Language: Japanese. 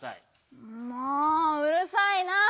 もううるさいなぁ！